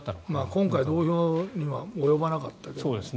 今週、同票には及ばなかったけど。